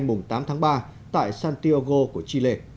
mùng tám tháng ba tại santiago của chile